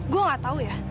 gue gak tau ya